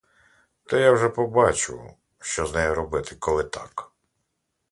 То вже я побачу, що з нею робити, коли так!